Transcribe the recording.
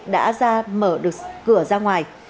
đã ra mở được cửa ra ngoài